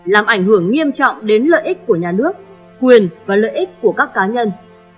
làm ảnh hưởng nghiêm trọng đến lợi ích của nhà nước quyền và lợi ích của các cá nhân